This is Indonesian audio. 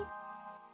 dan juga demi